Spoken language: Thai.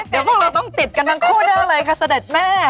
เดี๋ยวพวกเราต้องติดกันทั้งคู่ได้เลยค่ะเสด็จแม่